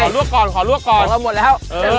หมอนแล้ว